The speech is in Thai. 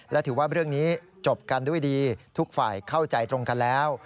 และถือว่าเรื่องนี้จบกันด้วยดีทุกฝ่ายเข้าใจตรงกันแล้ว